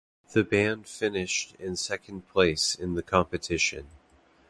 The band finished in second place in the competition.